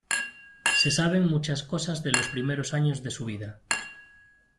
Se saben muchas cosas de los primeros años de su vida.